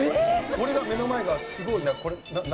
俺が目の前がすごいこれ何？